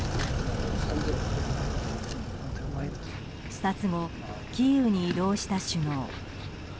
視察後キーウに移動した首脳。